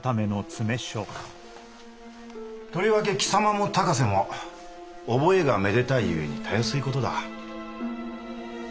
とりわけ貴様も高瀬も覚えがめでたい故にたやすい事だ。